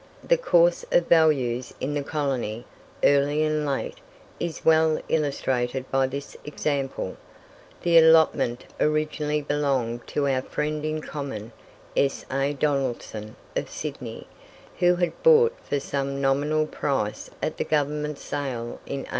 The course of values in the colony, early and late, is well illustrated by this example. The allotment originally belonged to our friend in common, S.A. Donaldson, of Sydney, who had bought for some nominal price at the Government sale in 1837.